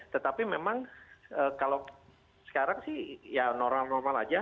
tetapi memang kalau sekarang sih ya normal normal aja